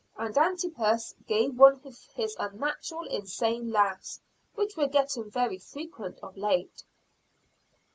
And Antipas gave one of his unnatural, insane laughs, which were getting very frequent of late.